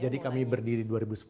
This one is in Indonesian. jadi kami berdiri dua ribu sepuluh